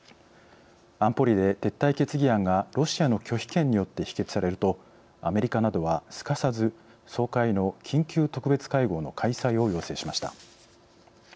安保理で撤退決議案がロシアの拒否権によって否決されるとアメリカなどはすかさず総会の緊急特別会合の開催を要請しました。